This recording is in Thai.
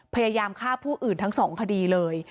พยายามฆ่าผู้อื่นทั้งสองคดีเลย